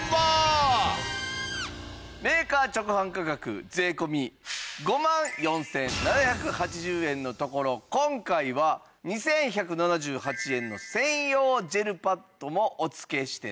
メーカー直販価格税込５万４７８０円のところ今回は２１７８円の専用ジェルパッドもお付けしてなんと。